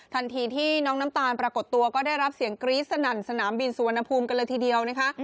ทันทีที่น้องน้ำตาลปรากฏตัวก็ได้รับเสียงกรี๊ดสนั่นสนามบินสุวรรณภูมิกันเลยทีเดียวนะคะ